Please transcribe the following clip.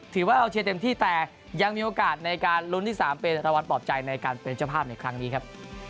ถือว่าเอาเชียร์เต็มที่แต่ยังมีโอกาสในการลุ้นที่๓เป็นรางวัลปลอบใจในการเป็นเจ้าภาพในครั้งนี้ครับ